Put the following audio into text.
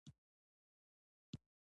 غبرګونونه پارولي